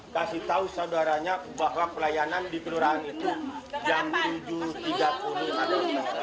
kasih tahu saudaranya bahwa pelayanan di kelurahan itu jam tujuh tiga puluh atau